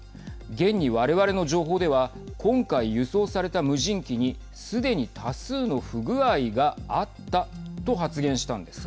現に、我々の情報では今回、輸送された無人機にすでに多数の不具合があったと発言したんです。